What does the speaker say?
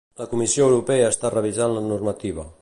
La Comissió Europea està revisant la normativa